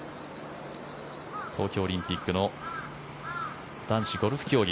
東京オリンピックの男子ゴルフ競技。